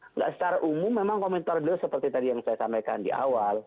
enggak secara umum memang komentar beliau seperti tadi yang saya sampaikan di awal